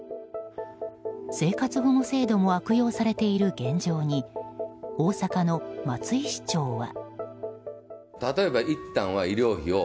生活保護制度も悪用されている現状に大阪の松井市長は。